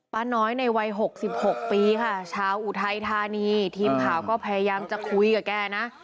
ป้าน้อยในวัย๖๖ปีค่ะชาวอุทัยธานีทีมข่าวก็พยายามจะคุยกับแกนะ